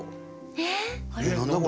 えっ？